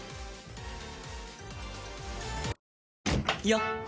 よっ！